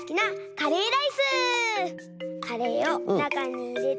カレーをなかにいれて。